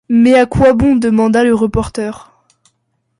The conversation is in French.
Mais à quoi bon demanda le reporter